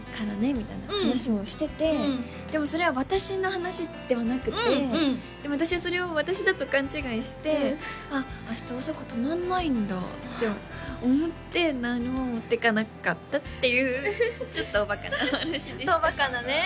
みたいな話もしててでもそれは私の話ではなくてでも私はそれを私だと勘違いしてあっ明日大阪泊まらないんだって思って何も持っていかなかったっていうちょっとおバカな話でしたちょっとおバカなね